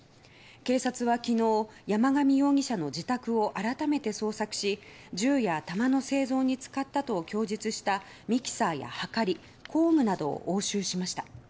警察は昨日、山上容疑者の自宅を改めて捜索し銃や弾の製造に使ったと供述したミキサーや、はかり工具などを押収しました。